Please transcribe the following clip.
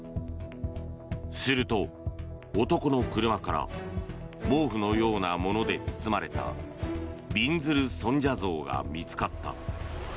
すると、男の車から毛布のようなもので包まれたびんずる尊者像が見つかった。